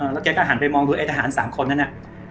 แล้วแกก็หันไปมองดูไอ้ทหาร๓คนนั้นน่ะ